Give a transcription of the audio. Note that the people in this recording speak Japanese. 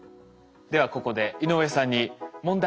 ではここで井上さんに問題。